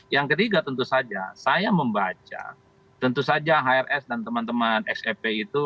yang ketiga tentu saja saya membaca tentu saja hrs dan teman teman sep itu